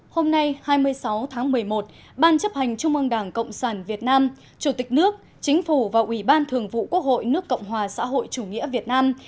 hôm nay hai mươi sáu tháng một mươi một ban chấp hành trung ương đảng cộng sản việt nam chủ tịch nước chính phủ và ủy ban thường vụ quốc hội nước cộng hòa xã hội chủ nghĩa việt nam